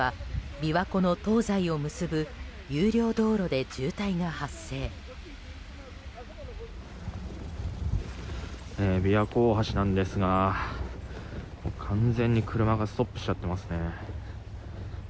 琵琶湖大橋なんですが完全に車がストップしちゃってますね。